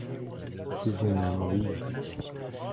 رونمایی